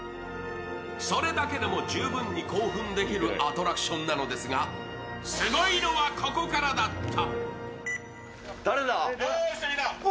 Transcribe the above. それだけでも十分に興奮できるアトラクションなんですがすごいのはここからだった。